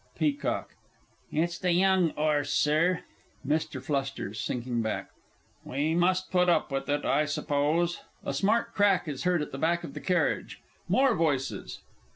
PEACOCK. It's the young 'orse, Sir. MR. F. (sinking back). We must put up with it, I suppose. [A smart crack is heard at the back of the carriage. MORE VOICES.